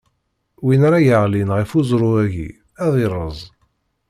Win ara yeɣlin ɣef uẓru-agi ad irreẓ.